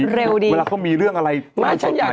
เมื่อเขามีเรื่องอะไรมันจะต่อไปกันที่สุด